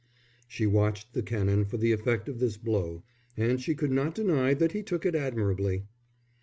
She watched the Canon for the effect of this blow, and she could not deny that he took it admirably.